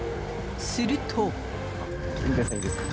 すると。